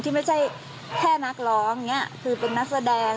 ที่ไม่ใช่แค่นักร้องคือเป็นนักแสดง